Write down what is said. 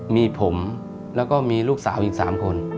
มีผมแล้วก็มีลูกสาวอีก๓คน